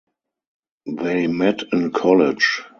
They met in college.